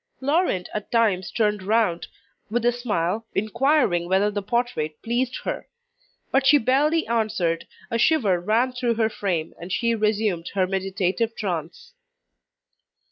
Laurent at times turned round, with a smile, inquiring whether the portrait pleased her. But she barely answered, a shiver ran through her frame, and she resumed her meditative trance.